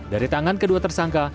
dari tangan kedua tersangka